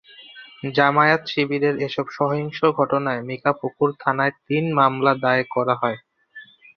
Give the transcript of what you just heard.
জামায়াত-শিবিরের এসব সহিংস ঘটনায় মিঠাপুকুর থানায় তিনটি মামলা দায়ের করা হয়।